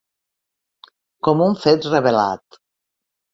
Com un fet revelat.